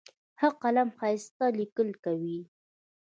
ښه قلم ښایسته لیکل کوي.